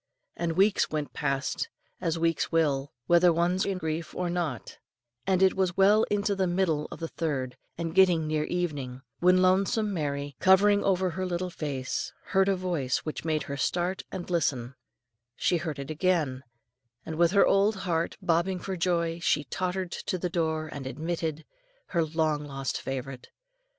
And weeks went past, as weeks will, whether one's in grief or not, and it was well into the middle of the third, and getting near evening, when lonesome Mary, cowering over her little fire, heard a voice which made her start and listen; she heard it again, and with her old heart bobbing for joy, she tottered to the door and admitted her long lost favourite.